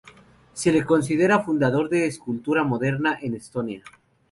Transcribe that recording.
Se le considera el fundador de la escultura moderna en Estonia.